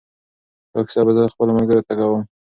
دا کیسه به زه خپلو ملګرو ته کوم.